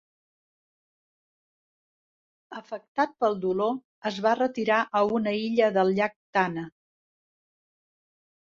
Afectat pel dolor, es va retirar a una illa del llac Tana.